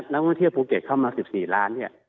นักท่องเที่ยวภูเก็ตเข้ามา๑๔ล้านเนี่ย